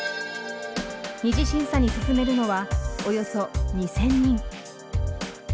２次審査に進めるのはおよそ２，０００人。